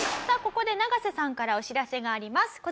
さあここで永瀬さんからお知らせがあります。